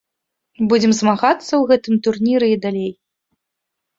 Будзем змагацца ў гэтым турніры і далей.